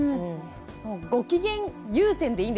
ご機嫌優先でいいんですね？